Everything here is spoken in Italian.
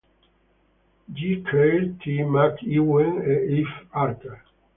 G. Caird, T. Mac Ewen e F. Archer.